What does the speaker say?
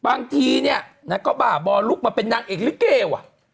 บางทีนี่นักก็บ่บอลุกมาเป็นนางเอกรี๊วเกรว่า